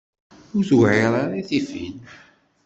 Ur tewɛiṛ ara i tifin.